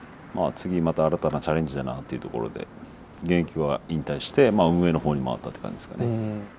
次また新たなチャレンジだなっていうところで現役は引退してまあ運営の方に回ったって感じですかね。